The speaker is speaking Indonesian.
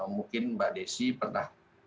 mungkin mbak desi pernah